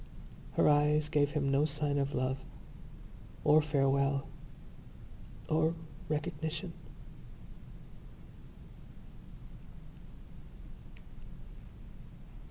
Her eyes gave him no sign of love or farewell or recognition.